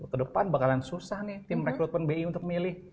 kedepan bakalan susah nih tim rekrutmen bi untuk milih